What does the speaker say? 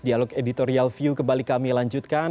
dialog editorial view kembali kami lanjutkan